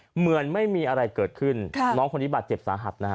เหมือนไม่มีอะไรเกิดขึ้นน้องคนนี้บาดเจ็บสาหัสนะฮะ